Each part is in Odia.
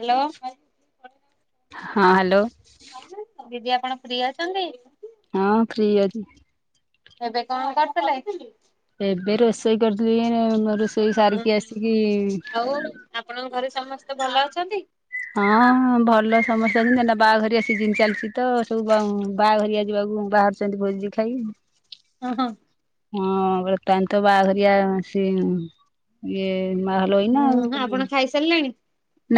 ହାଲୋ। ହଁ ହାଲୋ। ଦିଦି ଆପଣ ଫ୍ରି ଅଛନ୍ତି। ହଁ ଫ୍ରି। ଏବେ କଣ କରୁଥିଲେ। ଏବେ ରୋଷେଇ କରୁଥିଲି ଏଇନୁ ରୋଷେଇ ହୁଁ ସାରିକି ହୁଁ ଆସିକି। ଆଉ ଆପଣଙ୍କ ଘରେ ସମସ୍ତେ ଭଲ ଅଛନ୍ତି। ହଁ ଭଲ ସମସ୍ତେ ଅଛନ୍ତି ଏଇନା ବାହାଘରିଆ ସିଜିନ ଚାଲିଛି ତ ସବୁ ବା ବାହାଘରିଆ ଯିବାକୁ ବାହାରୁଛନ୍ତି ଭୋଜି ଖାଇ। ଅଁ ହୋ। ହଁ ବର୍ତ୍ତମାନ ତ ବାହାଘରିଆ ସି ଇଏ। ମା ହଲୋଇ ନା ହୁଁ ଆପଣ ଖାଇସାରିଲେଣି?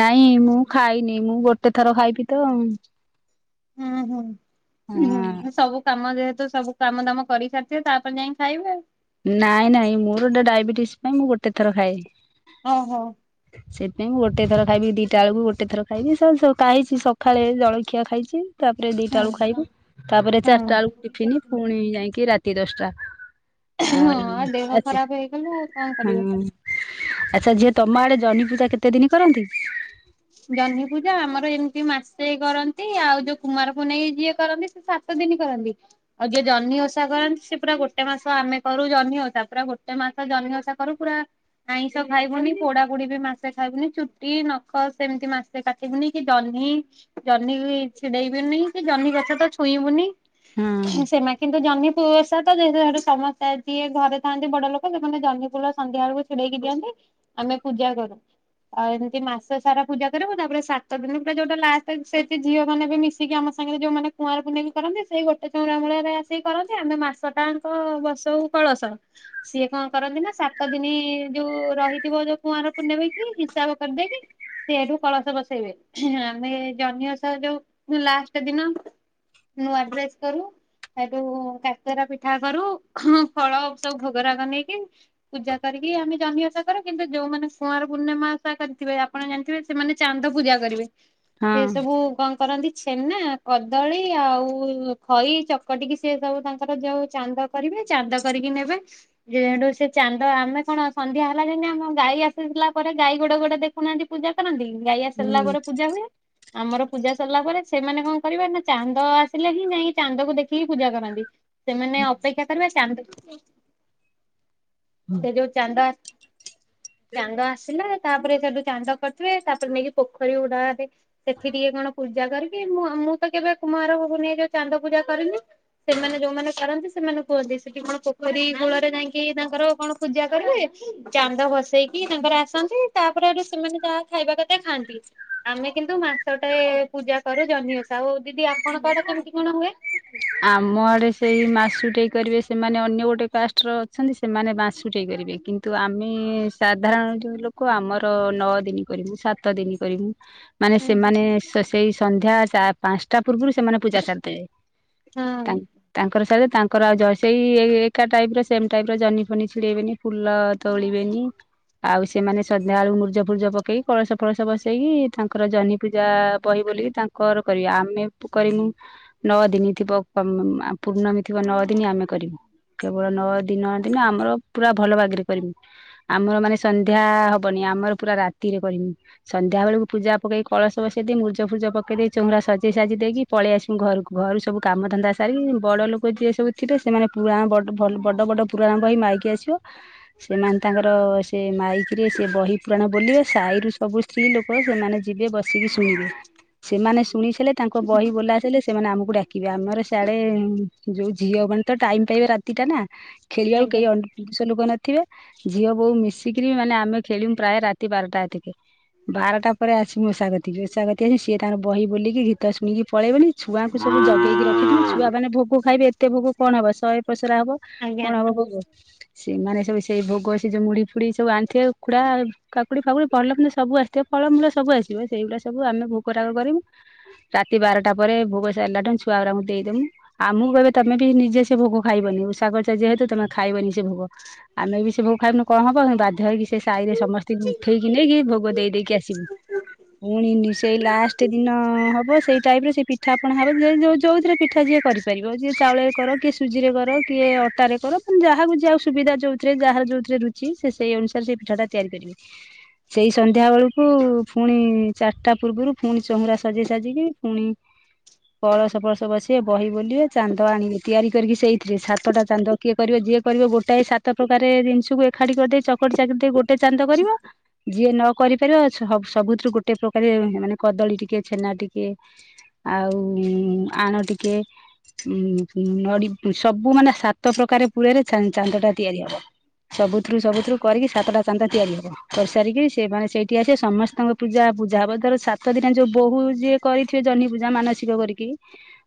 ନାଇଁ ମୁଁ ଖାଇନି ମୁଁ ଗୋଟେ ଥର ଖାଇବି ତ ହୁଁ ହୁଁ ହୁଁ ହଁ ସବୁ କାମ ଯେହେତୁ ତ ସବୁ କାମ ଦାମ କରିସାରିଥିବେ ତାପରେ ଯାଇ ଖାଇବେ। ନାଇଁ ନାଇଁ ମୋର ଗୋଟେ ଡାଇବେଟିସ ପାଇଁ ମୁଁ ଗୋଟେ ଥର ଖାଏ। ଓହୋ। ସେଇଥିାଇଁ ମୁଁ ଗୋଟେ ଥର ଖାଇବି ଦିଟା ବେଳକୁ ଗୋଟେ ଥର ଖାଇବି ସକାଳେ ସଖାଳେ ଜଳଖିଆ ଖାଇଛି। ତାପରେ ଦିଇଟା ହଁ ବେଳକୁ ହଁ ଖାଇବୁ ତାପରେ ଚାରିଟା ହଁ ବେଳକୁ ଟିଫନ୍ ପୁଣି ଯାଇକି ରାତି ଦଶଟା ଆଉ ଦେହ ଆଛା ଖରାପ ହେଇଗଲେ ଆଉ କଣ କରିବା। ହୁଁ ଆଚ୍ଛା ଯିଏ ତମ ଆଡେ ଜଣି ପୂଜା କେତେ ଦିନି କରନ୍ତି। ଜହ୍ନି ପୂଜା ଆମର ଏମିତି ମାସେ କରନ୍ତି ଆଉ ଯୋଉ କୁମାର ପୁନେଇ ଯିଏ କରନ୍ତି ସେ ସାତ ଦିନ କରନ୍ତି ଆଉ ଯିଏ ଜହ୍ନି ଓଷା କରନ୍ତି ସେ ପୁରା ଗୋଟେ ମାସ ଆମେ କରୁ ଜହ୍ନି ଓଷା ପୁରା ଗୋଟେ ମାସ ମାସ ଜହ୍ନି ଓଷା କରୁ ପୁରା ଆଇଁଷ ଖାଇବୁନି ପୋଡା ପୋଡି ବି ମାସେ ଖାଇବୁନି ଚୁଟି ନା। ଖ ସେମିତି ମାସେ କାଟିବୁନି କି ଜହ୍ନି ଜହ୍ନି ଛିଡେଇବେନି କି ଜହ୍ନି ଗଛ ତ ଛୁଇଁ ଛୁଇଁବୁନି ହଁ ସେମାଟି କୁ ଜହ୍ନି। କୁ ଅସା ତ ଯେହତୁଠୁ ସମସ୍ତେ ଯିଏ ଘରେ ଥାଆନ୍ତି ବଡ ଲୋକ ସେମାନେ ଜହନି ଫୁଲ ସନ୍ଧ୍ୟାବେଳକୁ ଛିଡ଼େଇକି ଦିଅନ୍ତି। ଆମେ ପୂଜା କରୁ, ଆଉ ଏମତି ମାସ। ସାରା ପୂଜା କରିବ, ତାପରେ ସାତ ଦିନରେ ପୁରା ଯୋଉଟା ଲାଷ୍ଟ ସେଠି ଝିଅ ମାନ ବି ମିଶିକି ଆମ ସାଙ୍ଗରେ ଯୋଉମାନେ କୁଆର କରନ୍ତି, ସେଇ ଗୋଟେ ଚଉରାମୂଳରେ ଆସିକି କରନ୍ତି, ଆମେ ମାସଟାଙ୍କ ବସଉ କଳସ ସିଏ କଣ କରନ୍ତି ନା, ସାତଦିନି ଯୋଉ ରହିଥିବ ଯୋଉ କୁଆଁର ପୂଣମକି ହିସାବ କରିଦେଇକି। ସେ ଏଠୁ କଳସ ବସେଇବେ, ଆମେ ଜହ୍ନିଓଶା ଯୋଉ ଲାଷ୍ଟ୍ ଦିନ ନୁଆ ଡ୍ରେସ୍ କରୁ। ହେଠୁ କାକରା ପିଠା କରୁ, ଫଳ ସବୁ ଭୋଗରାଗ ନେଇକି ପୂଜା କରିକି ଆମେ ଜନ୍ହଇ ଓଷା କରୁ, କିନ୍ତୁ ଯଉମାନେ କୁଁଆର ପୂର୍ଣିମା ଓଷା କରିଥିବେ ଆପଣ ଜାଣିଥିବେ ସେମାନେ ଚାନ୍ଦ ପୂଜା କରିବେ, ହଁ ସେ ସବୁ କଣ କରନ୍ତି ଛନା, କଦଳୀ, ଆଉ ଖଇ ଚକଟିକି ସେ ସବୁ ତାଙ୍କର ଯୋଉ ଚାନ୍ଦ କରିବେ ଚାନ୍ଦ କରିକି ନେବେ, ଯେହଠୁ ସେ ଚାନ୍ଦ ଆମେ କଣ ସନ୍ଧ୍ୟା ହେଲା ଯେମ୍ତି ଆମ ଗାଈ ଆସିଥିଲା ପରେ ଗାଈ ଗୋଡ ଗୋଡା ଦେଖୁନାହାନ୍ତି ପୂଜା କରନ୍ତି, ଗାଈ ଆସରିଲା ହୁଁ ପରେ ପୂଜା ହୁଏ, ଆମର ପୂଜା ସରିଲା ପରେ ସେମାନେ କଣ କରିବେ ନା, ଚାନ୍ଦ ଆସିଲେ ହିଁ ଯାଇକି ଚାନ୍ଦକୁ ଦେଖିକି ପୂଜା କରନ୍ତି ସେମାନେ ଅପେକ୍ଷା କରିବେ ଚାନ୍ଦ, ସେ ଯୋଉ ଚାନ୍ଦା ଚାନ୍ଦ ଆସିଲା ତାପରେ ସେଠୁ ଚାନ୍ଦ କରିଥିବେ ତାପରେ ନେଇକି ପୋଖରୀ ଉଡାରେ, ସେଠି ଟିକେକଣ ପୂଜା କରିକି, ମୁ ମୁଁ ତ କେବେ କୁମାର ପୁନେଇ ରେ ଚାନ୍ଦ ପୂଜା କରେନି ସେମାନେ ଯୋଉମାନେ କରନ୍ତି ସେମାନେ କୁହନ୍ତି ସେଠିକଣ ପୋଖରୀକୂଳରେ ଯାଇକି ତାଙ୍କର କଣ ପୂଜା କରିବେ ଚାନ୍ଦ ବସେଇକି ତାଙ୍କର ଆସନ୍ତି ତାପରେ ଆ ସେମାନେ ଯହା ଖାଇବା କେଥା ଖାଆନ୍ତି, ଆମେ କିନ୍ତୁ ମାସଟା ପୂଜାକରୁ ଜହ୍ନିଓଷା, ଆଉ ଦିଦିଆପଣ ସିୟାଡେ କେମିତି କଣ ହୁଏ? ଆମ ଆଡେ ସେଇ ମାସୁଟେଇ କରିବେ ସେମାନେ ଅନ୍ୟ ଗୋଟେ କାଷ୍ଟର ଅଛନ୍ତି ସେମାନେ ବାସୁଟେଇ କରିବେ କିନ୍ତୁ ଆମେ ସା କାରଣ ଯୋଉଲୋକ, ଆମର ନଅଦିନ କରିବୁ ସାତଦିନ କରିବୁ ମାନେ ହୁଁ ହୁଁ ସେମାନେ ସେଇ ସନ୍ଧ୍ୟା ପାଞ୍ଚଟା ପୂର୍ବରୁ ସେମାନେ ପୂଜା ସାରିଦବେ ହଁ [inaudible] ତାଙ୍କର ସାହି ତାଙ୍କର ଆଉ ସେଇଇ ଏକାଟାଇପର ସେମଟାଇପର ଜହ୍ନିଫନି ଛିଡ଼େଇବେନି ଫୁଲ ତୋଳିବେନି [inaudible] ଆଉ ସେମାନେ ସନ୍ଧ୍ୟା ଆଳୁ ମୁର୍ଜଫୁର୍ଜ ପକେଇି କଳସଫଳସ ବସେଇକି ତାଙ୍କର ଜହ୍ନି ପୂଜା ବହି ବୋଲି ତାଙ୍କର କରିବେ, ଆମେ ତ୍ କରମୁ ନ ଦିନିଥିବ ପ୍ ମ୍ ପୂର୍ଣ୍ଣମୀ ଥିବ ନଅ ଦିନି ଆମେ କରିବୁ କେବଳ ନଅ ଦିନଦିନ ଆମର ପୁରା ଭଲବାଗରେ କରିବୁ, ଆମର ମାନେ ସନ୍ଧ୍ୟା ହବନି ଆମର ପୁରା ରାତିରେ କରିମୁଁ, ସନ୍ଧ୍ୟାବେଳକୁ ପୂଜା ପକେଇ କଳସ ବସେଇଦେଇ ମୁଜଫୁଜ ପକେଇଦେଇ ଚନ୍ଦ୍ର ସଜେଇସାଜେଇଦେଇକି ପଳେଇ ଆସିବୁ ଘରକୁ, ଘରୁ ସବୁ କାମ ଧନ୍ଦା ସାରିକି ବଡ଼ ଲୋକ ଯିଏ ସବୁ ଥିବେ ସେମାନେ ପୁରାଣ ବଡ଼ଭଲ ବଡ଼ବଡ଼ ପୁରାଣ ବହି ମାଇକି ଆସିବ ସେମାନେ ତାଙ୍କର ସେ ମାଇକରେ ସେ ବହିପୁରାଣ ବୋଲିବେ ସାହିରୁ ସବୁ ସ୍ତ୍ରୀ ଲୋକ ସେମାନେ ଯିବେ ବସିକି ଶୁଣିବେ ସେମାନେ ଶୁଣିଥିଲେ ତାଙ୍କବହି ବୋଲାଥିଲେ ସେମାନେ ଆମକୁ ଡାକିବେ, ଆମର ସିଆଡ଼େ ଯେଉଁ ଝିଅ ମାନେତ ଟାଇମ୍ ପାଇବେ ରାତିଟା ନା ଖେଳିବାକୁ ଆଜ୍ଞା କେହି ଲୋକ ଥିବେ, ଝିଅବୋଉ ମିଶିକିରି ମାନେ ଆମେ ଖେଳୁ ପ୍ରାୟ ରାତିବାରଟାତିକେ ବାରଟା ପରେ ଆସି ମଷାକତି ମୂଷାକତି ଆସି ସିଏ ତାଙ୍କର ବହିବୋଲିକି ଗୀତଶୁଣିକି ପଳେଇବେନି ଛୁଆଙ୍କୁ ସବୁ ଜଗେଇକି ରଖିଥିବି ଛୁଆମାନେ ଭୋଗ ଖାଇବେ ଏତେଭୋଗ କଣ ହବ ଶହେ ଉପସରାହବ, ଆଜ୍ଞା କଣହବ ଭୋଗ [unintelligible] ସେମାନେସବୁ ସେଇଭୋଗ ସେଯଉ ମୁଢିଫୁଡି ସବୁ ଆଣିଥିବେ ଉଖୁଡ଼ା କାକୁଡି ଫାକୁଡି ଭଲମନ୍ଦ ସବୁ ଆସିଥିବ ଫଳମୂଳ ସବୁ ଆସିବ ସେଇଗୁଡ଼ା ସବୁ ଆମେ ଭୋକାଗ କରିବୁ ରାତି ବାରଟା ପରେ ଭୋଗ ସାରିଲା ଟ ଛୁଆଗୁଡାକୁ ଦେଇଦବୁ ଆଉକୁ କହେ ତମେ ବି ନିଜେ ସେ ଭୋଗ ଖାଇବନି ଉଷାାଗ ଯେହେତୁ ତମେ ଖାଇବନି ସେ ଭୋଗ ଆମେ ବି ସେ ଭୋଗ ଖାଇବନୁ କଣହବ ବାଧ୍ୟହେଇକି ସେ ସାାଇରେ ସମସ୍ତଙ୍କୁ ଉଠେଇକି ଦେଇକି ଭୋଗ ଦେଇଦେଇକି ଆସିବୁ, ପୁଣି ସେଇ ଲାଷ୍ଟଦିନ ହବ ସେଇଠ ପିଠା ଆପଣ [unintelligible] ଯୋଯୋଉଥିରେ ପିଠା ଯିଏ କରିପାରିବ ଯିଏ ଚାଉଳରେ କର କିଏ ସୁଜିରେ କର କିଏ ଅଟାରେ ଏଇଟା ଯାହାକୁ ଯାହା ସୁବିଧା, ଯଉଥିରେ ଯାହାର ଯଉଥିରେ ରୁଚି, ସେ ସେଇ ଅନୁସାରେ ସେଇ ପିଠାଟା ତିଆରି କରିବେ ସେଇ ସନ୍ଧ୍ୟା ବେଳକୁ ପୁଣି ଚାରିଟା ପୂର୍ବରୁ ପୁଣି ଚଉଁରା ସଜେଇ ସାଜେଇକି ପୁଣି [unintelligible] ପଳସ ପଳସ ବସିବେ, ବହି ବୋଲିବେ, ଚାନ୍ଦ ଆଣିବେ ତିଆରି କରିକି ସେଇଥିରେ ସାତଟା ଚାନ୍ଦ କିଏ କରିବ ଯିଏ କରିବେ, ଗୋଟଏ ସାତ ପ୍ରକାରେ ଜିନିଷକୁ ଏକାଠି କରିଦେଇ ଚକଟି ଚାକିଟି ଦେଇ ଗୋଟେ ଚାନ୍ଦ କରିବ। ଯିଏ ନ କ କରିପାରିବ ସ-ସବୁଥିରୁ ଗୋଟେ ପ୍ରକାରେ ମାନେ କଦଳୀ ଟିକେ ଛେନା ଟିକେ ଆଉ-ଉ-ଉ-ଉ ଆଣ ଟିକେ ଉଁ ଉଁ ସବୁ ମାନେ ସାତ ପ୍ରକାରେ ପୁଳେରେ ଚା-ଚାନ୍ଦଟା ତିଆରି ହବ। ସବୁଥିରୁ ସବୁଥିରୁୁ କରିକି ସାତଟା ଚାନ୍ଦ ତିଆରି ହବ। କରିସାରିକି ସେମାନେେ ସେଇଠି ଆସିବେ ସମସ୍ତଙ୍କ ପୂଜା ପୂଜା ହବ ଧର ସାତ ଦିନ ଯୋଉ ବହୁ ଯିଏ କରିଥିବେ ଜହ୍ନି [unintelligible] ଯା ମାନସିକ କରିକି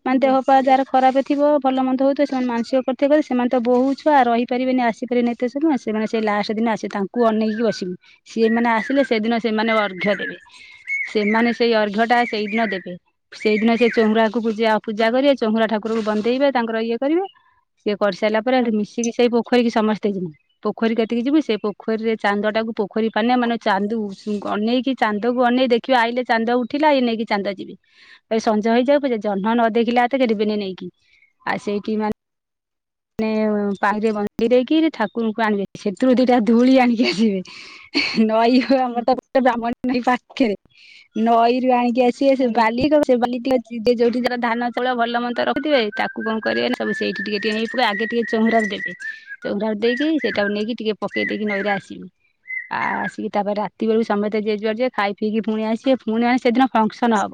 ମାନେ ଆଜ୍ଞା ଦେହ ପା ଯାହାର ଖରାପ ଥିବ ଭଲ ମନ୍ଦ ହଉଥିବ ସେମାନେ ମାନସିକ କରିଥିବେ ବୋଲି ସେମାନେ ତ ବହୁ ଛୁଆ ରହିପାରିବେନି, ବୋଉ ବୋଉଛୁଆ ରହି ପାରିବେନିଆସିପାରିବେନି ସେମାନେ ସେ ଲାଷ୍ଟ ଦିନ ଆସିବେ ତାଙ୍କୁ ଅନେଇକି ବସିବୁ। ସିଏ ସେମାନେ ଆସିଲେ ସେଦିନ ସେମାନେ ଅର୍ଘ ଦେବେ। ସେମାନେ ସେଇ ଅର୍ଘ ଟା ସେଇଦିନ ଦେବେ। ସେଇଦିନ ସେ ଚଉଁରାକୁ ପୂଜା-ପୂଜା କରିବେ ଚଉଁରା ଠାକୁରକୁ ବନ୍ଦେଇବେ ତାଙ୍କର ଇଏ କରିବେ ସିଏ କରିସାରିଲା ପରେ ସେଠି ଆଜ୍ଞା ମିଶିକି ସେଇ ପୋଖ ପୋଖରୀିକୁ ସମସ୍ତେ ଯିମୁ। ପୋଖରୀ କତିକି ଯିବୁ ସେ ପୋଖରୀରେ ଚାନ୍ଦଟାକୁ ପୋଖରୀ ପାନେ ମାନେ ଚାନ୍ଦୁ ଗ ଅନେଇକି ଚାନ୍ଦକୁ ଅନେଇ ଦେଖିବା ଆଇଲେ ଚାନ୍ଦ ଉଠିଲା ଏ ନେଇକି ଚାନ୍ଦ ଯିବି। ଏ ସଞ୍ଜ ହେଇଯାଉ ପଛେ ଜହ୍ନ ନ ଦେଖିଲା ଆଉ ତ କେହି ଯିବେନି ନେଇକି ଆଉ ସେଇଠି ମାନେ ମାନେ ପାଣିରେ ବନ୍ଦୀ ଦେଇକିରି ଠାକୁରଙ୍କୁ ଆଣିବେ ସେଥିରୁ ଦିଟା ଧୂଳି ଆଣିକି ଆସିବେ। ନଈ ହଉ ଆମର ତ ଗୋଟେ ବ୍ରାହ୍ମଣୀ ନଈ ପାଖେରେ ନଈରୁ ଆଣିି ଯିଏ ଆସିବେ ସେ ଆଜ୍ଞା। ବାଲି [unintelligible] ସେ ବାଲିି ଟିକିଏ ଯିଏ ଯଉଁଠି ତାର ଧାନ ଚାଉଳ ଭଲ ମନ୍ଦ ରଖଥିବେ ତାକୁ କଣ କରିବେନା ସବୁ ସେଇଠି ଟିକେ ଟିକେ ନେଇ ଆଗେ ଟିକେ ଚଉଁରାରେ ଦେବେ। ଚଉଁରାରେ ଦେଇକି ସେଇଟାକୁ ନେଇକି ଟିକେ ପକେଇ ଦେଇକି ନଈରେ ଆସିବେ। ଆ-ଆ-ଆ ଆସିକି ତାପରେ ରାତି ବେଳକୁ ସମସ୍ତେ ଯିଏ ଯୁଆଡେ ଯିବେ ଖାଇ ପିଇକି ଫୁଣି ଆସିବେ। ଫୁଣି ଆ-ସେଦିନ ଫଙ୍କସନ୍ ହବ।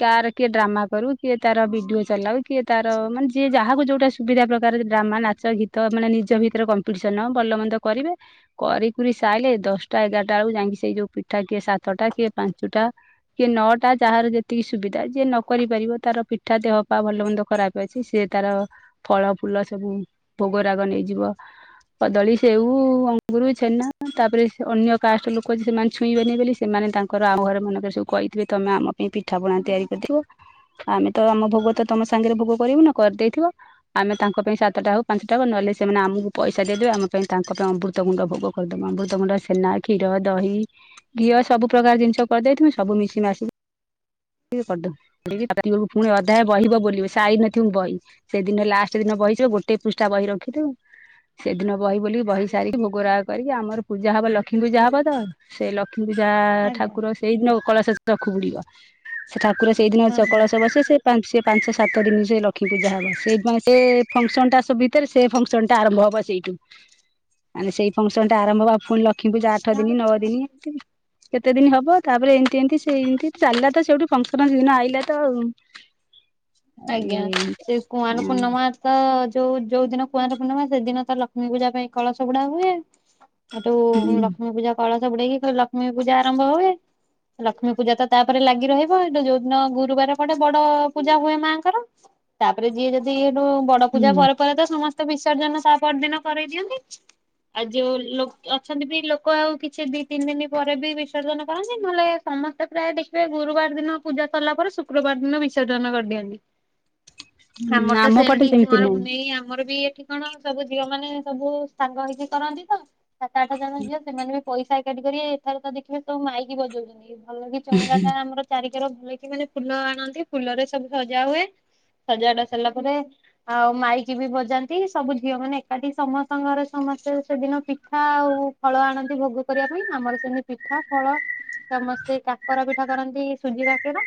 କାର କିଏ ଡ୍ରାମା କରୁ କିଏ ତାର ଭିଡିଓ ଚଲାଉ କିଏ ତାର ମାନେ ଯିଏ ଯାହାକୁ ଯୋଉଟା ସୁବିଧା ପ୍ରକାର ଡ୍ରାମା, ନାଚ, ଗୀତ, ମାନେ ନିଜ ଭିତରେ କମ୍ପିଟିସନଭଲ ମନ୍ଦ କରିବେ କରିକୁରି ଚାଇଁଲେ ଦଶଟା ଏଗାରଟା ବେଳକୁ ଯାଇକି ସେଇ ଯୋଉ ପିଠା କିଏ ସାତଟା କିଏ ପାଞ୍ଚୁଟା କିଏ ନଟା ଯାହାର ଯେତିକି ସୁବିଧା ଯିଏ ନ କରି ପାରିବ ତାର ପିଠା ଦେହ ପା ଭଲ ମନ୍ଦ ଖରାପ ଅଛି ସେ ତାର ଫଳ ଫୁଲ ସବୁ ଭୋଗରାଗ ନେଇଯିବ କଦଳୀ, ସେଉ, ଅ ଙ୍ଗୁରୁ, ଛେନା ତାପରେ ସେ ଅନ୍ୟ କାଷ୍ଟ ଲୋକ ଯେ ସେମାନେ ଛୁଇଁବେନି ବୋଲି ସେମାନେ ତାଙ୍କର ଆଉ ଘରେ ମାନଙ୍କରେ ସବୁ କହିଥିବେ। ତମେ ଆମ ପାଇଁ ପିଠା ପଣା- ତିଆରି କରିଥିବ ଆମେ ତ ଆମ ଭୋଗ ତ ତମ ସାଙ୍ଗେରେ ଭୋଗ କରିବୁନୁ କରିଦେଇଥିବ। ଆମେ ତାଙ୍କ ପାଇଁ ସାତଟା ହଉ ପାଞ୍ଚଟା ହଉ ନହେଲେ ସେମାନେ ଆମକୁ ପଇସା ଦେବେ ଆମ ପାଇଁ ପାଞ୍ଚଟା ଅମୃତଭଣ୍ଡା ଭୋଗ କରିଦବ। ଯଦି ତମର ଛେନା, କ୍ଷୀର, ଦହି, ଘିଅ ସବୁ ପ୍ରକାର ଜିନିଷ କରିଦେଇଥିବ ସବୁ ମିଶି ମାଶିକି କରିଦେବୁ। କରିକି ରାତି ବେଳକୁ ପୁଣି ଅଧା ବହି ବୋଲିବୁ ସାରି ନଥିବୁ ବହି ସେଦିନ ଲାଷ୍ଟ ଦିନ ବହିି ଥିବ ସା ଗୋଟେ ପୃଷ୍ଠା ବହି ରଖିଥିବୁ। ସେଦିନ ବହି ବୋଲିକିବହି ସାରିକି ଭୋଗରାଗ କରିକି ଆମର ପୂଜା ହବ। ଲକ୍ଷ୍ମୀ ପୂଜା ହବ ତ ସେ ଲ କ୍ଷ୍ମୀ ଆଜ୍ଞା ଠାକୁର ସେଇଦିନ କଳସ [unintelligible] ବୁଡିବ। ଠାକୁର ସେଇଦିନ ସ-କଳସ ହଁ ବସେ। ସେ ପାଞ୍ଚ-ସେ ପାଞ୍ଚ ସାତ ଦିନ ସେ ଲକ୍ଷ୍ମି ପୂଜା ହେବ ସେଇଦିନ ସେ ଫଙ୍କସନ ଟା ସବୁ ଭିତରେ ସେ ଫଙ୍କସନ ଟା ଆରମ୍ଭ ହବ ସେଇଠୁ। ମନେ ସେଇ ଫଙ୍କସନ୍‌ଟା ଆରମ୍ଭ ହବା ଫୁଣି ଲ କ୍ଷ୍ମୀ ପୂଜା ଆଠ ଦିନ ନଅ ହଁ। ଦିନ କେତେ ଦିନ ହବ। ତାପରେ ଏମିତି ଏମିତି ସେ ଏମିତି ଚାଲିଲା ତ ସେଉଠୁ ଫଙ୍କସନ ଦିନ ଆଇିଲ ତ ଆଉ ଆଜ୍ଞା ସେ କୁମାର ପୂର୍ଣ୍ଣିମା ତ ଯୋଉ ଯୋଉ ଦିନ କୁମାର ପୂର୍ଣ୍ଣିମା ସେଦିନ ତ ଲକ୍ଷ୍ମୀ ପୂଜା ପାଇଁ କଳସ ବୁଡା ହୁଏ। ସେଇଠୁ ଲକ୍ଷ୍ମୀ ପୂଜା କଳସ ବୁଡେଇକି ଫେରେ ଲକ୍ଷ୍ମୀ ପୂଜା ଆରମ୍ଭ ହୁଏ। ଲକ୍ଷ୍ମୀ ପୂଜା ତ ତାପରେ ଲାଗି ରହିବ। ଏଇଟ ଯୋଉଦିନ ଗୁରୁବାର ପଡେ ବଡ ପୂଜା ହୁଏ। ମାଙ୍କର ତାପରେ ଯିଏ ଯଦି ସେଇଠୁ ବଡ ପୂଜା ପରେ ପରେ ତ ସମସ୍ତେ। ତ ବିସର୍ଜନ ତା ପରଦିନ କରେଇ ଦିଅନ୍ତି। ଆଉ ଯୋଉ ଲ ଅଛନ୍ତି ବି ଲୋକ ଆଉ କିଛି ଦି ତିନି ଦିନ ପରେ ବି ବିସର୍ଜନ କରନ୍ତି ନହଲେ ସମସ୍ତେ ପ୍ରାୟ ଦେଖିବେ ଗୁରୁବାର ଦିନ ପୂଜା ସରିଲା ପରେ ଶୁକ୍ରବାର ଦିନ ବିସର୍ଜନ କରିଦିଅନ୍ତି। ଆମର ତ ଆମ ପଟେ ସେମିତି କୁମାର ନାହିଁ। ପୁନେଇ ଆମର ବି ଏଠି କଣ ସବୁ ଝିଅ ମାନେ ସବୁ ସାଙ୍ଗ ହେଇକି କରନ୍ତି ତ ସାତ ଆଠ ଜଣ ଝିଅ ସେମାନେ ବି ପଇସା ଏକାଠି କର ଏଥର ତ ଦେଖିବେ ସବୁ ମାଇକି ବଜଉଛନ୍ତି ଭଲ କି ଚଉଁରାଟା ଆମର ଚାରି ର ବୋହି କି ମାନେ ଫୁଲ ଆଣନ୍ତି ଫୁଲରେ ସବୁ ସଜା ହୁଏ। ସଜଡ଼ା ସରିଲା ପରେ ଆଉ ମାଇକି ବି ବଜାନ୍ତି ସବୁ ଝିଅ ମାନେ ଏକାଠି ସମସ୍ତଙ୍କ ଘରେ ସମ ମାସେ ସେଦିନ ପିଠା ଆଉ ଫଳ ଆଣନ୍ତି ଭୋଗ କରିବା ପାଇଁ ଆମର ସେମିତି ପିଠା ଫଳ ସମସ୍ତେ କାକରା ପିଠା କରନ୍ତି ସୁଜି କାକେରା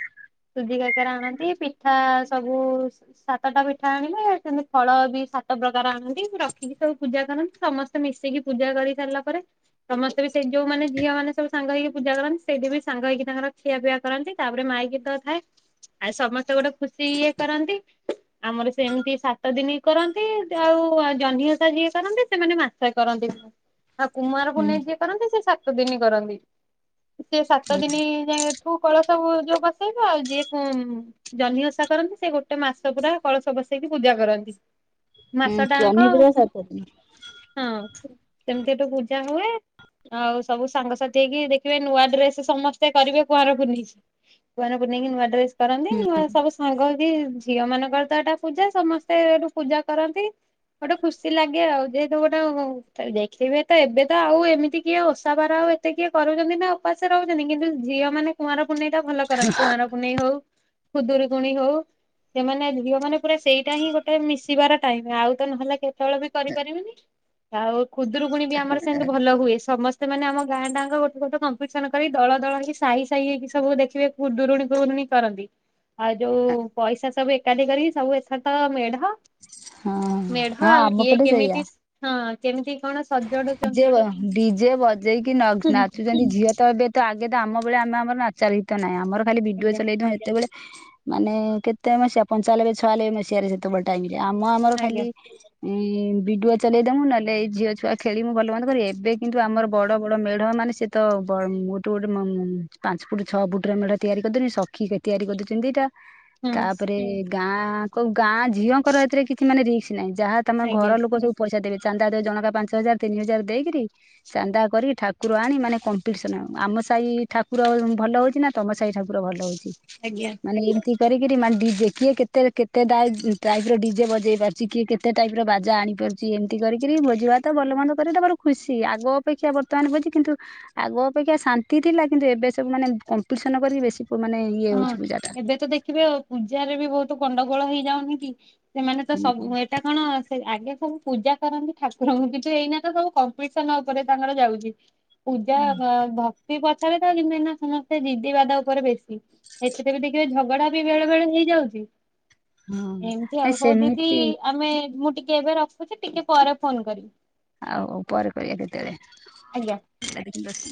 ସୁଜି କାକେରା ଆଣନ୍ତିି ପି ପିଠା ସବୁ ସ ସାତଟା ପିଠା ଆଣିବେ ସେମିତି ଫଳ ବି ସାତ ପ୍ରକାର ଆଣନ୍ତି ରଖିକି ସବୁ ପୂଜା କରନ୍ତି ସମସ୍ତେ ମିଶିକି ପୂଜା କରି ସାରିଲା ପରେ ସମସ୍ତେ ବି ସେଇ ଯୋଉ ମାନେ ଝିଅ ମାନେ ସବୁ ସାଙ୍ଗ ହେଇକି ପୂଜା କରନ୍ତି ସେଇଠି ବି ସାଙ୍ଗ ହେଇକି ତାଙ୍କର ଖିଆ ପିଆ କରନ୍ତି ତାପରେ ମା ମାଇକି ତ ଥାଏ ଆଉ ସମସ୍ତେ ଗୋଟେ ଖୁସି ଇଏ କରନ୍ତି ଆମର ସେମିତି ସାତ ଦିନ କରନ୍ତି ଆଉ ଜହ୍ନିଓଷା ବି ଇଏ କରନ୍ତି ସେମାନେ ମାସେ କରନ୍ତି ନା କଣ? ଆଉ କୁମାର ହୁଁ ପୁନେଇ ଯିଏ କରନ୍ତି ସେ ସାତ ଦିନ କରନ୍ତି ସେ ସାତ ଦିନ ଯାଏଁ ଠୁ କଳସ ଉ ଯୋଉ ବସେଇବେ ଆଉ ଯିଏ ଉଁ ଜହ୍ନି ଓଷ ଓଷା କରନ୍ତି ସେ ଗୋଟେ ମାସ ପୁରା କଳସ ବସେଇକି ପୂଜା କରନ୍ତି। ହୁଁ ମାସଟା ଯାଙ୍କ ଚହ୍ନି ହଁ ପୂଜା ସାତ ଦିନ ସେମିତି ଗୋଟେ ପୂଜା ହୁଏ। ଆଉ ସବୁ ସାଙ୍ଗସାଥି ହେଇକି ଦେଖିବେ ନୂଆ ଡ୍ରେସ ସମସ୍ତେ କରିବେ କୁଆଁର ପୁନେଇକି। କୁଆଁର ପୁନେଇକି ନୂଆଡ୍ରେସ୍ କରନ୍ତି ନୂଆ ସବୁ ହଉଛି ଝିଅ ମାନଙ୍କର ତ ଏଟା ପୂଜା ସମସ୍ତେ ଏଠୁ ପୂଜା କରନ୍ତି। ଗୋଟେ ଖୁସି ଲାଗେ ଆଉ ଯେହେତୁ ଗୋଟେ ଉ ଦେଖିବେ ତ ଏବେ ତ ଆଉ ଏମିତି କିଏ ଓଷା ବାର ଏତେ କିଏ କରୁଛନ୍ତି ନା ଉପାସେ ରହୁଛନ୍ତି କିନ୍ତୁ ଝିଅ ମାନେ କୁଆଁର କୁଆଁରପୁନେଇଟା ଭଲ କରନ୍ତି କୁଆଁର ପୁନେଇ ହଉ ଖୁଦୁରୁ କୁଣି ହଉ ସେମାନେ ଝିଅ ମାନେ ପୁରା ସେଇଟା ହିଁ ଗୋଟେ ମିଶିବାର ଟାଇମ ଆଉ ତ ନହେଲେ କେ କେତେଲେ ବି କରିପାରିବେନି ଆଉ ଖୁଦୁରୁକୁୁଣୀ ବି ଆମର ସେମିତି ଭଲ ହୁଏ ସମ ସେମାନେ ଆମ ଗାଁଆଁଟା ଯାଙ୍କ ଗୋଟେ ଗୋଟ କମ୍ପିଟିସନ କରି ଦଳ ଦଳ ହେଇକି ସାହି ସାହି ହେଇକି ସବୁ ଦେଖିବେ ଖୁଦୁରୁକୁଣୀ କରନ୍ତି ଆଉ ଯୋଉ ପଇସା ସବୁ ଏକାଠି କରି ସବୁ ଏଥରତ ମେଢ ହଁ ମେଢ ହଁ ଆଉ କିଏ କେମିତି ହଁ। କେମିତି କଣ ଜେ ସଜଡୁଛନ୍ତି ଡିଜେ ବଜେଇକି ନଗ୍ ନାଚୁଛନ୍ତି ଝିଅ ତ ଏବେ ତ ଆଗ ଆଗ ତ ଆମ ବେଳେ ଆମର ଏତେ ନଚା ଗୀତ ନାହିଁ ଆମର ଖାଲିି ଭିଡିଓ ଆଜ୍ଞା ଚଲେଇଥାଉ ହେତେବେଳେ ମାନେ କେତେ ମସିହା ପଞ୍ଚାଲବେ ଛୟାଲବେ ମସିହାରେ ସେତେବେଳେ ଟାଇମ। ଆମ ଆମର ଖାଲି ଆଜ୍ଞା ଇ ଭିଡିଓ ଚଲେଇଦମୁ ନହେଲେ ଏଇ ଝିଅ ଛୁଆ ଖେଳିମୁ ଭଲ ମନ୍ଦ କରିବେ। ଏବେ କିନ୍ତୁ ହୁଁ। ଆମର ବଡ ବଡ ମେ ମେଢ ମାନେ ସେ ତ ବ ଗୋଟେ ଗୋଟେ ପ ପାଞ୍ଚ ଫୁଟ ଛଅ ଫୁଟ ମେଢ ତିଆରି କରିଦେଲେଣି ସଖି ହେକା ତିଆରି କରି ଦୁଇ ତିନି ଦିଇଟା ତାପରେ ଆଜ୍ଞା ଗାଁ କୋଉ ଗାଁ ଝିଅଙ୍କର ଏଥିରେ କିଛି ମାନେ ରିକ୍ସ ନାହିଁ। ଯାହା ତମ ଘର ଲୋକ ସବୁ ପଇସା ଦେବେ ଚାନ୍ଦା ଆଦାୟ ଜଣକା ପା ପାଞ୍ଚ ହଜାର ତିନି ହଜାର ଦେଇକିରି ଚାନ୍ଦା କରିକି ଠାକୁର ଆଣି ମାନେ କମ୍ପିଟିସନ ଆ ଆମ ସାହି ଠାକୁର ଭଲ ହଉଛି ନା ତମ ସାହି ଠାକୁର ଭଲ ହଉଛି ଆଜ୍ଞା ମାନେ ଏମିତି କରିକିରି ମାନ୍ ଡିଜେ କିଏ କେତେ କେତେ ଟା ଟାଇପ ଟାଇପ୍ ର ଡିଜେ ବଜେଇ ପାରୁଛି କିଏ କେତେ ଟାଇପ ର ବାଜା ଆଣି ବାଜୁଛି ଏମିତି କରିକରିି ଭୋଜି ଭାତ୍ ତ ଭଲ ମନ୍ଦ କରିକି ଦବା ତ ଖୁସି ଆଗ ଅପେକ୍ଷା ବର୍ତ୍ତମାନ ଭୋଜି କିନ୍ତୁ ଆଗ ଅପେକ୍ଷା ଶାନ୍ତି ଥିଲା କିନ୍ତୁ ଏବେ ଏ ସବୁ ମାନେ କମ୍ପିଟିସନ କରିକି ବେଶି ହଁ ଏବେ ତ ଦେଖିବେ ପୂଜାରେ ବି ବହୁତ ଗଣ୍ଡଗୋଳ ହେଇଯାଉନିକି। ସେମାନେ ତ ଟା। ସବୁ ଏଇଟା କଣ ସେ ଆଗେ ସବୁ ପୂଜା କରନ୍ତି ଠାକୁରଙ୍କୁ କିନ୍ତୁ ଏଇନା ତ ସବୁ କମ୍ପିଟିସନ ଉପରେ ତାଙ୍କର ଯାଉଛି। ପୂଜା ଭ ଭକ୍ତି ପଛରେ ଥାଉ କିନ୍ତୁ ଏଇନା ସମସ୍ତେ ଜିଦିିବାଦ ଉପରେ ବେଶି ଏଥିରେ ବି ଦେଖିବେ ଝଗଡା ବି ବେଳେ ବେଳେ ହେଇଯାଉଛି। ହଁ ଏମିତି ନାଇଁ ଆଉ ହଉ ଦିଦି ସେମିତି ଆମେ ମୁଁ ଟିକେ ଏବେ ରଖୁଛି ଟିକେ ପରେ ଫୋନ କରିବି। ଆଉ ପରେ କରିବା ଆଜ୍ଞା। କେତେବେଳେ?